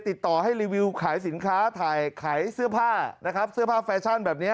ติดต่อให้รีวิวขายสินค้าสื้อผ้าแฟชั่นแบบนี้